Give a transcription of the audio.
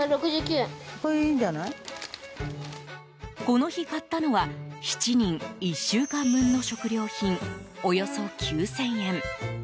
この日買ったのは７人１週間分の食料品およそ９０００円。